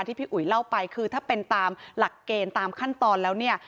พี่อุ๋ยเล่าไปคือถ้าเป็นตามหลักเกณฑ์ตามขั้นตอนแล้วเนี่ย